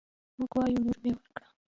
موږ وايو: لور مې ورکړ